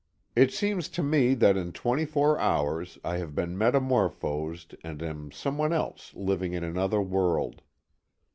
It seems to me that in twenty four hours I have been metamorphosed and am some one else living in another world.